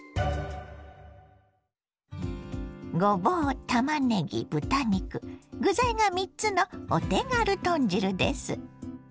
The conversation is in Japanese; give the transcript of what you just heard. ごぼうたまねぎ豚肉具材が３つのお手軽豚汁です。